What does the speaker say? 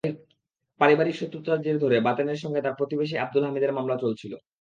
পারিবারিক শত্রুতার জের ধরে বাতেনের সঙ্গে তাঁর প্রতিবেশী আবদুল হামিদের মামলা চলছিল।